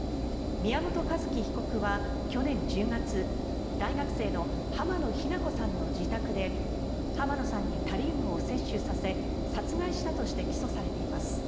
宮本一希被告は去年１０月大学生の浜野日菜子さんの自宅で浜野さんにタリウムを摂取させ殺害したとして起訴されています。